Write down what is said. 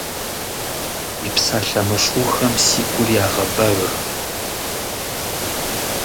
Уи псалъэ мышыухэм си гур ягъэбэг.